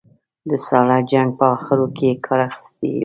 د ساړه جنګ په اخرو کې کار اخیستی و.